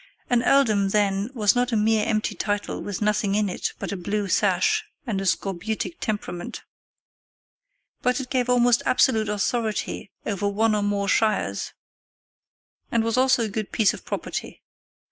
An earldom then was not a mere empty title with nothing in it but a blue sash and a scorbutic temperament, but it gave almost absolute authority over one or more shires, and was also a good piece of property.